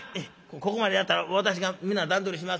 ここまでやったら私がみんな段取りします。